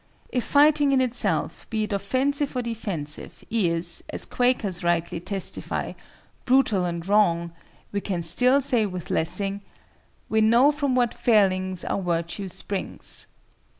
If fighting in itself, be it offensive or defensive, is, as Quakers rightly testify, brutal and wrong, we can still say with Lessing, "We know from what failings our virtue springs."